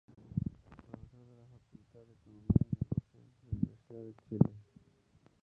Es profesor de la Facultad de Economía y Negocios de la Universidad de Chile.